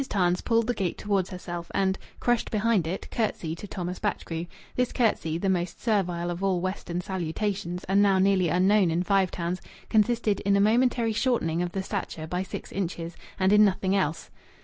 Tarns pulled the gate towards herself and, crushed behind it, curtsied to Thomas Batchgrew. This curtsy, the most servile of all Western salutations, and now nearly unknown in Five Towns, consisted in a momentary shortening of the stature by six inches, and in nothing else.